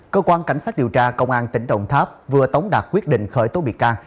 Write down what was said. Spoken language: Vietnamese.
cơ quan cảnh sát điều tra công an tỉnh đồng tháp vừa tống đạt quyết định khởi tố bị can